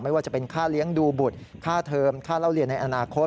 ไม่ว่าจะเป็นค่าเลี้ยงดูบุตรค่าเทอมค่าเล่าเรียนในอนาคต